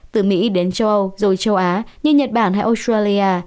từ mỹ đến châu âu rồi châu á như nhật bản hay australia